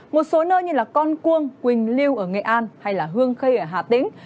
một số nơi như con cuông quỳnh liêu ở nghệ an hay hương khây ở hà tĩnh